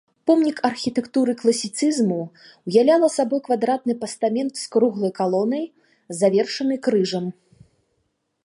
Помнік архітэктуры класіцызму, уяўляла сабой квадратны пастамент з круглай калонай, завершанай крыжам.